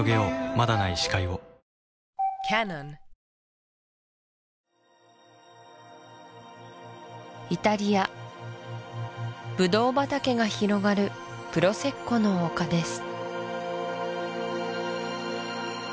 まだない視界をイタリアブドウ畑が広がるプロセッコの丘です